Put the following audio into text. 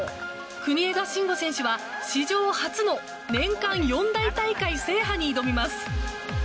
国枝慎吾選手は史上初の年間四大大会制覇に挑みます。